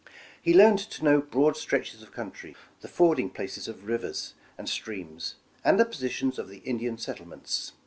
He learned to know broad stretches of country, the fording places of rivers and streams, and the positions of the Indian settlements.